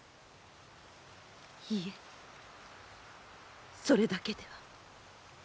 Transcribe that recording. いえそれだけでは。